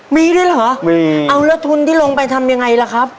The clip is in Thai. มีด้วยเหรอมีเอาแล้วทุนที่ลงไปทำยังไงล่ะครับ